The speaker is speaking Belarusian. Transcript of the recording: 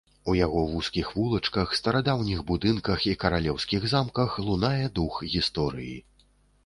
У яго вузкіх вулачках, старадаўніх будынках і каралеўскіх замках лунае дух гісторыі.